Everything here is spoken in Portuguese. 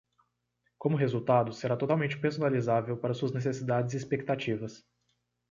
Como resultado, será totalmente personalizável para suas necessidades e expectativas.